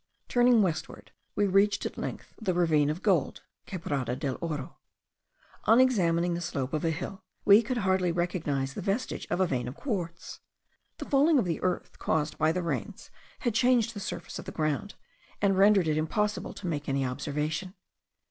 Turning westward we reached at length the ravine of gold (Quebrada del Oro). On examining the slope of a hill, we could hardly recognize the vestige of a vein of quartz. The falling of the earth caused by the rains had changed the surface of the ground, and rendered it impossible to make any observation.